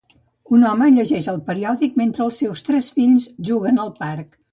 Un home llegeix el periòdic mentre els seus tres fills juguen al parc.